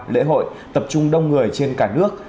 lễ hội tập trung đông người trên cả nước